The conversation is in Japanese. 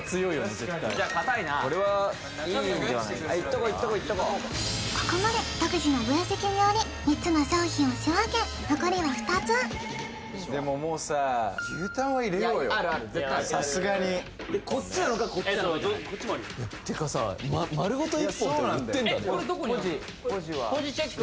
絶対これはいいんではないでしょうかいっとこういっとこうここまで独自の分析により３つの商品を仕分け残りは２つでももうさあるある絶対あるさすがにこっちなのかこっちなのかってかさ丸ごと一本って売ってんだねこじチェック？